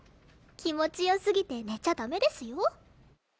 気持ち良すぎて寝ちゃダメですよ？